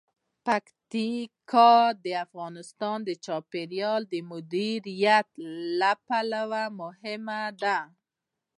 پکتیکا د افغانستان د چاپیریال د مدیریت لپاره مهم دي.